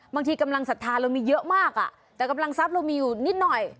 กำลังศรัทธาเรามีเยอะมากแต่กำลังทรัพย์เรามีอยู่นิดหน่อย